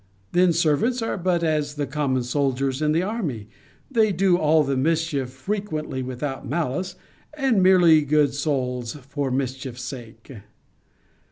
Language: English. Then servants are but as the common soldiers in an army, they do all the mischief frequently without malice, and merely, good souls! for mischief sake.